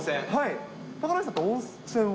高梨さん、温泉は？